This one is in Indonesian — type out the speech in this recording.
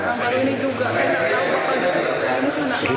saya juga tidak tahu